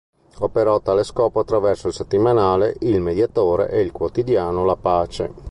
Operò a tale scopo attraverso il settimanale "Il Mediatore" e il quotidiano "La Pace".